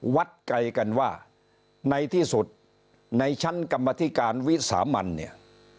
วัดไกลกันว่าในที่สุดในชั้นกรรมธิการวิสามันเนี่ย